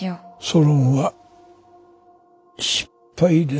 ソロンは失敗です。